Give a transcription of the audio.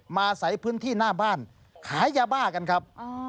อาศัยพื้นที่หน้าบ้านขายยาบ้ากันครับ